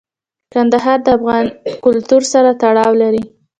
کندهار د افغان کلتور سره تړاو لري.